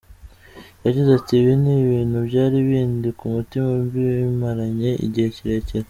Yagize ati “Ibi ni ibintu byari bindi ku mutima mbimaranye igihe kirekire.